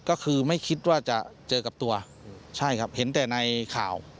ก็คือไม่คิดว่าจะเจอกับตัวใช่ครับเห็นแต่ในข่าว